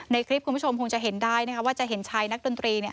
ในคลิปคุณผู้ชมคงจะเห็นได้นะคะว่าจะเห็นชายนักดนตรีเนี่ย